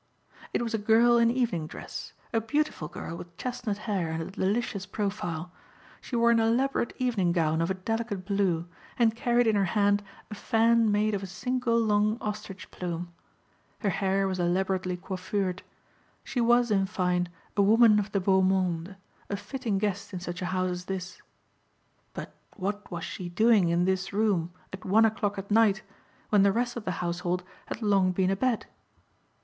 It was a girl in evening dress, a beautiful girl with chestnut hair and a delicious profile. She wore an elaborate evening gown of a delicate blue and carried in her hand a fan made of a single long ostrich plume. Her hair was elaborately coiffured. She was, in fine, a woman of the beau monde, a fitting guest in such a house as this. But what was she doing in this room at one o'clock at night when the rest of the household had long been abed?